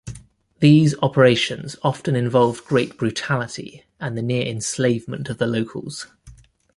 These operations often involved great brutality and the near enslavement of the locals.